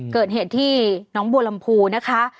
เกิดเหตุที่น้องบัวลำพูนะคะ